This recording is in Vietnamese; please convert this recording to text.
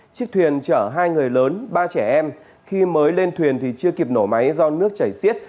chiếc thuyền chở hai người lớn ba trẻ em khi mới lên thuyền thì chưa kịp nổ máy do nước chảy xiết